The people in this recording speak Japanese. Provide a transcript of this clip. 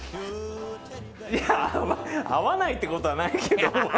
いや、合わないってことはないけども。